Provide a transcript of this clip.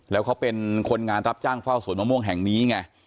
แล้วเขาเป็นคนงานรับจ้างเฝ้าสวนมะม่วงแห่งนี้ไง